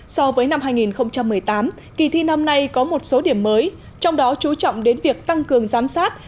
so với năm hai nghìn một mươi tám kỳ thi năm nay có một số điểm mới trong đó chú trọng đến việc tăng cường giám sát